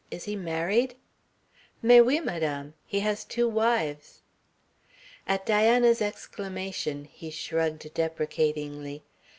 "Is he married?" "Mais oui, Madame. He has two wives." At Diana's exclamation he shrugged deprecatingly.